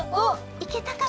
いけたかな？